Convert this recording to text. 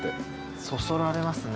そそられますね。